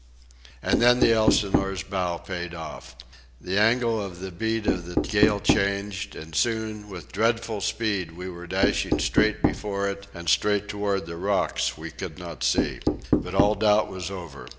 And then the Elsinore's bow paid off. The angle of the beat of the gale changed, and soon, with dreadful speed, we were dashing straight before it and straight toward the rocks we could not see. But all doubt was over.